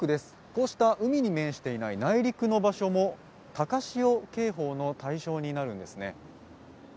こうした、海に面していない内陸の場所も高潮警報の対象になるんですね。